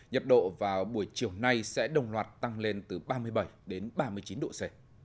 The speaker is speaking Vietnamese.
nhật độ vào buổi chiều nay sẽ đồng loạt tăng lên từ ba mươi bảy đến ba mươi chín độ c